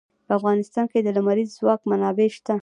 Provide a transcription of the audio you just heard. په افغانستان کې د لمریز ځواک منابع شته.